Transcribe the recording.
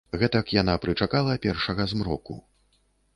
Гэтак яна прычакала першага змроку.